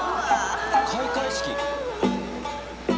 開会式。